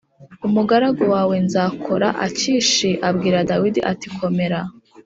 umugaragu wawe nzakora Akishi abwira Dawidi ati komera